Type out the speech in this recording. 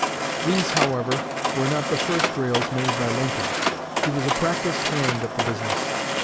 These, however, were not the first rails made by Lincoln. He was a practiced hand at the business.